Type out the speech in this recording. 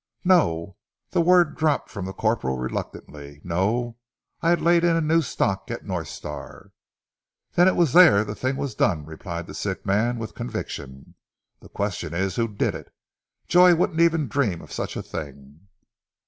"No." The word dropped from the corporal reluctantly. "No. I had laid in a new stock at North Star." "Then it was there the thing was done," replied the sick man with conviction. "The question is, who did it? Joy wouldn't even dream of such a thing!"